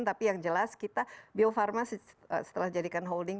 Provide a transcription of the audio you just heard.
tapi yang jelas kita bio farma setelah jadikan holding